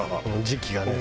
時期がね